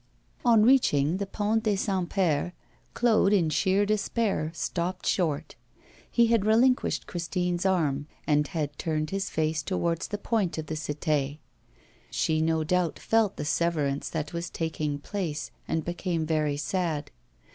On reaching the Pont des Saints Pères, Claude, in sheer despair, stopped short. He had relinquished Christine's arm, and had turned his face towards the point of the Cité. She no doubt felt the severance that was taking place and became very sad.